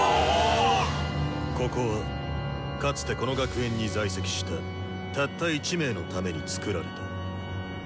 ここはかつてこの学園に在籍したたった１名のためにつくられた。